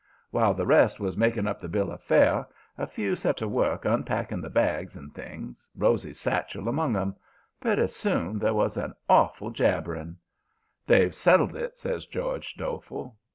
While the rest was making up the bill of fare, a few set to work unpacking the bags and things, Rosy's satchel among 'em. Pretty soon there was an awful jabbering. "'They've settled it,' says George, doleful.